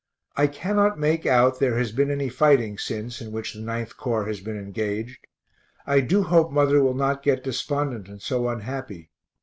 I cannot make out there has been any fighting since in which the 9th Corps has been engaged. I do hope mother will not get despondent and so unhappy.